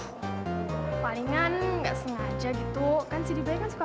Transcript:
sekarang tuh bukan saatnya mereka ketawa ketawa dan senang senang